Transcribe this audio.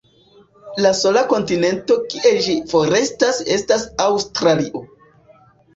La sola kontinento kie ĝi forestas estas Aŭstralio.